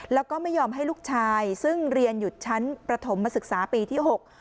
แล้วก็ไม่ยอมให้ลูกชายซึ่งเรียนอยู่ชั้นประถมศึกษาปีที่หก